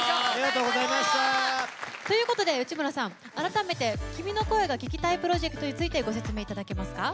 ということで、内村さん、改めて「君の声が聴きたい」プロジェクトについてご説明いただけますか。